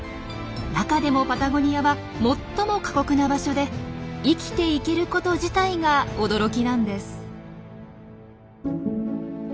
中でもパタゴニアは最も過酷な場所で生きていけること自体が驚きなんです。